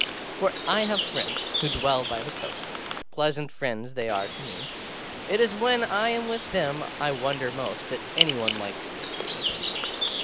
For I have friends who dwell by the coastŌĆö Pleasant friends they are to me! It is when I am with them I wonder most That anyone likes the Sea.